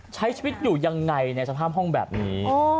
ใช้ชีวิตอยู่ยังไงในสภาพห้องแบบนี้